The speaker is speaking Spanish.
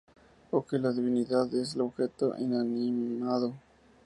O que la divinidad es ese objeto inanimado.